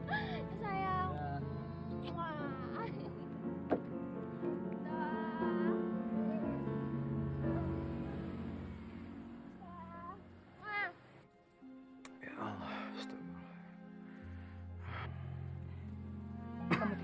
aku punya sesuatu buat kamu